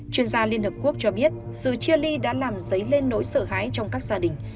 chuyên gia liên hợp quốc cho biết sự chia ly đã làm dấy lên nỗi sợ hãi trong các gia đình